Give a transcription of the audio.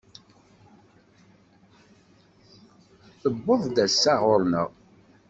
Tuweḍ-d ass-a ɣur-neɣ.